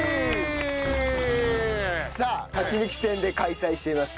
さあ勝ち抜き戦で開催しています